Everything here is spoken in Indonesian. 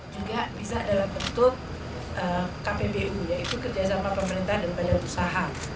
juga bisa dalam bentuk kpbu yaitu kerja sama pemerintah dan banyak usaha